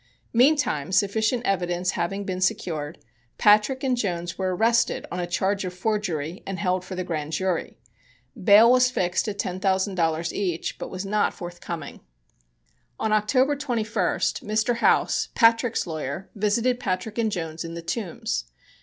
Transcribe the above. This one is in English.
Meantime sufficient evidence having been secured, Patrick and Jones were arrested on a charge of forgery and held for the Grand Jury. Bail was fixed at ten thousand dollars each, but was not forthcoming. On October 21st, Mr. House, Patrick's lawyer, visited Patrick and Jones in the Tombs.